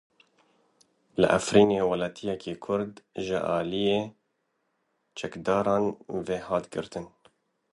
Li Efrînê welatiyekî Kurd ji aliyê çekdaran ve hat girtin.